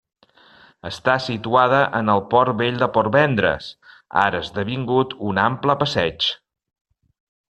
Està situada en el Port vell de Portvendres, ara esdevingut un ample passeig.